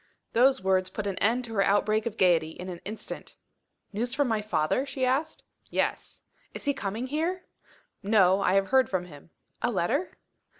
Those words put an end to her outbreak of gaiety, in an instant. "News from my father?" she asked. "Yes." "Is he coming here?" "No; I have heard from him." "A letter?"